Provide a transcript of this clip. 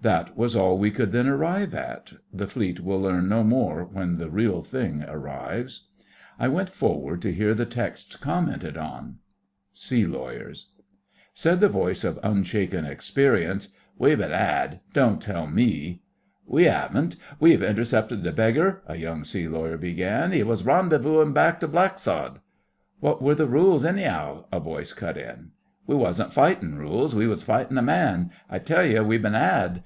That was all we could then arrive at. (The Fleet will learn no more when the Real Thing arrives.) I went forward to hear the text commented on. SEA LAWYERS Said the voice of unshaken experience, 'We've been 'ad. Don't tell me.' 'We 'aven't. We've intercepted the beggar,'—a young sea lawyer began. ''E was rendezvousin' back to Blacksod.' 'What were the rules any'ow?' a voice cut in. 'We wasn't fightin' rules—we was fightin' a man. I tell you we've been 'ad.